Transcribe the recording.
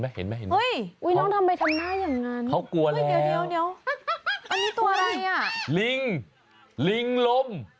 อุ๊ยเห็นไหม